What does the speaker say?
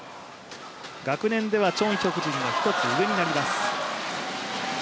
学年ではチョン・ヒョクジンの１つ上になります。